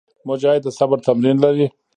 مجاهد د صبر تمرین لري.